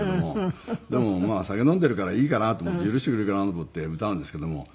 でもまあ酒飲んでるからいいかなと思って許してくれるかなと思って歌うんですけども。